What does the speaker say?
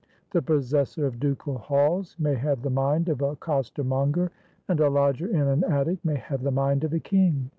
The possessor of ducal halls may have the mind of a coster monger, and a lodger in an attic may have the mind of a king.